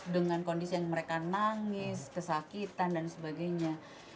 dengan kondisi yang mereka nangis kesakitan dan sebagainya